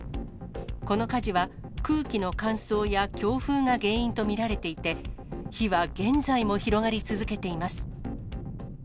この火事は、空気の乾燥や強風が原因と見られていて、火は現在も広がり続けています。